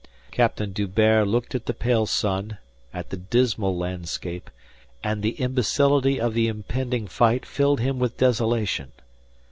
Captain D'Hubert looked at the pale sun, at the dismal landscape, and the imbecility of the impending fight filled him with desolation.